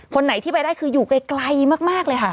คนไหนที่ไปได้คืออยู่ไกลมากเลยค่ะ